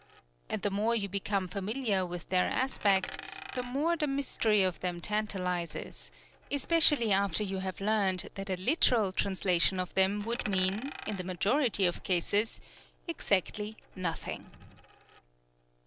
And the more you become familiar with their aspect, the more the mystery of them tantalizes, especially after you have learned that a literal translation of them would mean, in the majority of cases, exactly nothing!